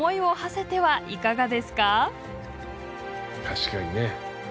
確かにね。